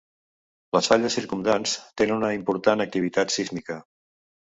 Les falles circumdants tenen una important activitat sísmica.